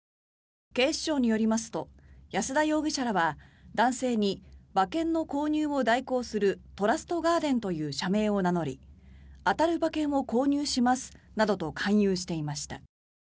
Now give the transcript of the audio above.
警視庁によりますと安田容疑者らは男性に馬券の購入を代行するトラストガーデンという社名を名乗り当たる馬券を購入しますなどと勧誘していました。